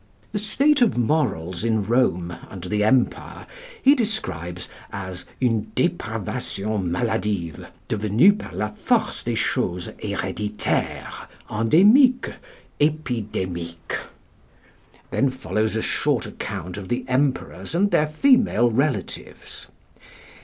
The state of morals in Rome under the empire he describes as "une dépravation maladive, devenue par la force des choses héréditaire, endémique, épidémique." Then follows a short account of the emperors and their female relatives.